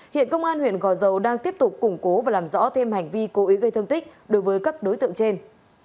hiện công an huyện gò dầu đang tiếp tục củng cố và làm rõ thêm hành vi cố ý gây thương tích đối với các đối tượng trên